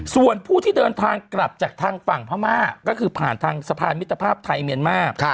ส่วนผู้ที่เดินทางกลับจากทางฝั่งพม่าก็คือผ่านทางสะพานมิตรภาพไทยเมียนมาร์